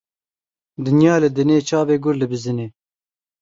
Dinya li dinê, çavê gur li bizinê.